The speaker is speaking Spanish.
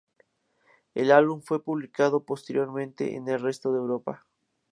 El álbum fue publicado posteriormente en el resto de Europa.